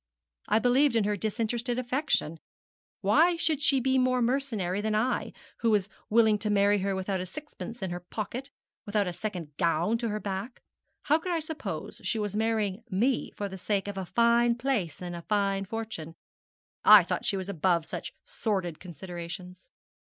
'I believed in her disinterested affection. Why should she be more mercenary than I, who was willing to marry her without a sixpence in her pocket, without a second gown to her back? How could I suppose she was marrying me for the sake of a fine place and a fine fortune? I thought she was above such sordid considerations.'